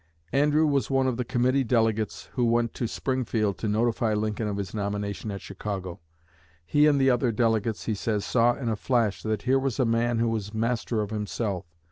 Andrew was one of the committee of delegates who went to Springfield to notify Lincoln of his nomination at Chicago. He and the other delegates, he says, "saw in a flash that here was a man who was master of himself.